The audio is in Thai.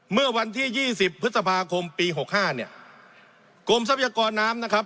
เมื่อวันที่ยี่สิบพฤษภาคมปีหกห้าเนี่ยกรมทรัพยากรน้ำนะครับ